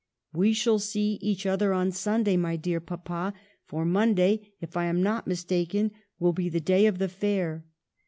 We shall see each other on Sunday, my dear papa, for Monday, if I am not mistaken, will be the day of the fair.